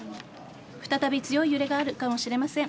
再び強い揺れがあるかもしれません。